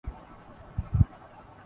آخری بار آپ نے خواب کب دیکھا؟